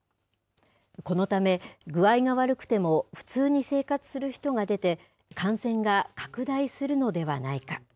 このため、具合が悪くても普通に生活する人が出て、感染が拡大するのではないか。